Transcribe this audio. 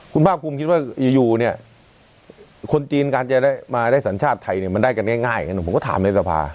คุณภาคคุมคิดว่าอยู่เนี่ยคนจีนการจะมาได้สัญชาติไทยเนี่ยมันได้กันง่ายผมก็ถามในทศพา